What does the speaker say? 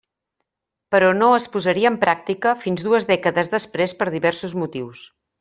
Però no es posaria en pràctica fins dues dècades després per diversos motius.